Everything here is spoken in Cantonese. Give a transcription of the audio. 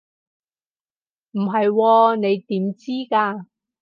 唔係喎，你點知㗎？